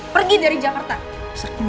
pergi dari jakarta